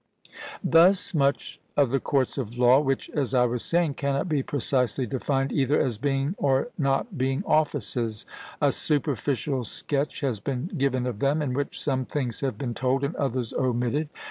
Thus much of the courts of law, which, as I was saying, cannot be precisely defined either as being or not being offices; a superficial sketch has been given of them, in which some things have been told and others omitted.